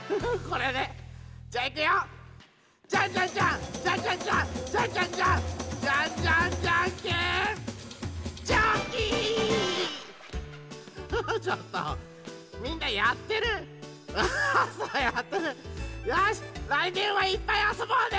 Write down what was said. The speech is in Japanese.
らいねんはいっぱいあそぼうね！